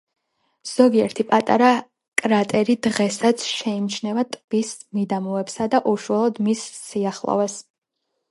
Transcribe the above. ზოგიერთი პატარა კრატერი დღესაც შეიმჩნევა ტბის მიდამოებსა და უშუალოდ მის სიახლოვეს.